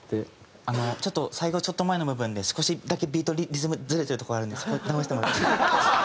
あのちょっと最後ちょっと前の部分で少しだけビートリズムずれてるとこあるのでそこ直してもらっていいですか？